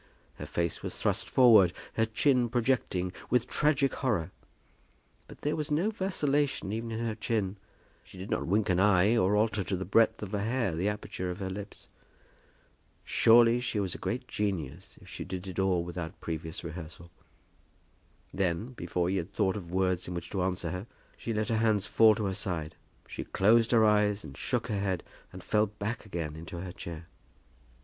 Her face was thrust forward, her chin projecting, with tragic horror; but there was no vacillation even in her chin. She did not wink an eye, or alter to the breadth of a hair the aperture of her lips. Surely she was a great genius if she did it all without previous rehearsal. Then, before he had thought of words in which to answer her, she let her hands fall by her side, she closed her eyes, and shook her head, and fell back again into her chair.